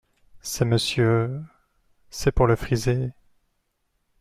C’est Monsieur… c’est pour le friser…